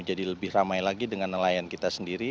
jadi lebih ramai lagi dengan nelayan kita sendiri